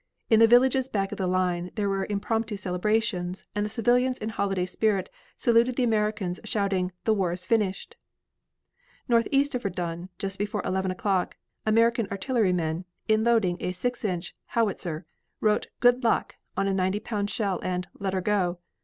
In the villages back of the line there were impromptu celebrations and the civilians in holiday spirit saluted the Americans, shouting "the war is finished." Northeast of Verdun, just before 11 o'clock, American artillery men in loading a six inch howitzer, wrote "good luck" on a ninety pound shell and "let 'er go."